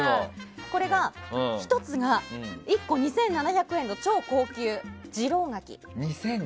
これ、１つが１個２７００円の超高級の次郎柿。